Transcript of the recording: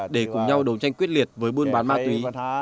để cùng nhau đồng tranh quyết liệt với bươn bán ma túy